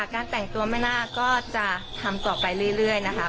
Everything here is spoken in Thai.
การแต่งตัวไม่น่าก็จะทำต่อไปเรื่อยนะคะ